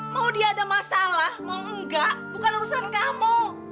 mau dia ada masalah mau enggak bukan urusan kamu